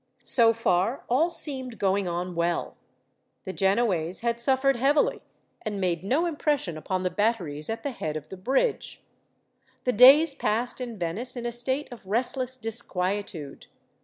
So far, all seemed going on well. The Genoese had suffered heavily, and made no impression upon the batteries at the head of the bridge. The days passed in Venice in a state of restless disquietude.